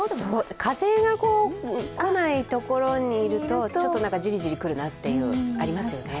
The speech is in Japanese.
風が来ないところにいるとちょっとじりじりくるなって、ありますよね。